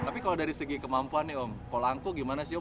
tapi kalau dari segi kemampuan nih om polanco gimana sih om